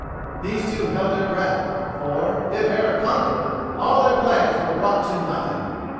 These two held their breath, for, if Eric conquered, all their plans were brought to nothing.